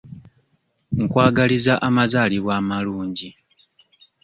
Nkwagaliza amazaalibwa amalungi.